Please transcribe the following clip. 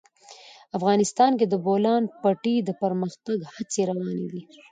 افغانستان کې د د بولان پټي د پرمختګ هڅې روانې دي.